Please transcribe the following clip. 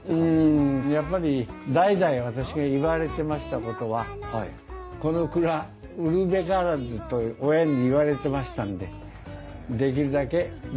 やっぱり代々私が言われてましたことは「この蔵売るべからず」と親に言われてましたんでできるだけ大事にしたいと思ってました。